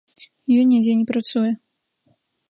Ён нідзе не працуе.